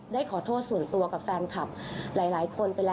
ได้ขอโทษส่วนตัวกับแฟนคลับหลายคนไปแล้ว